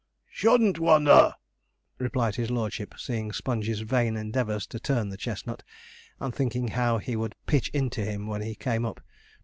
'Shouldn't wonder,' replied his lordship, eyeing Sponge's vain endeavours to turn the chestnut, and thinking how he would 'pitch into him' when he came up.